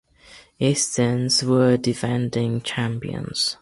Easterns were the defending champions.